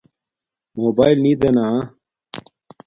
موباݵل نی دے نا